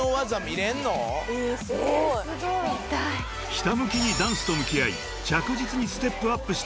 ［ひた向きにダンスと向き合い着実にステップアップしているＲｉｈｏ］